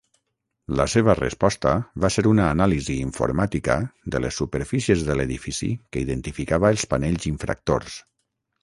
La seva resposta va ser una anàlisi informàtica de les superfícies de l'edifici que identificava els panells infractors.